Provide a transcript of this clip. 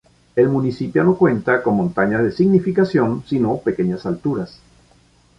El Municipio no cuenta con montañas de significación, sino pequeñas alturas.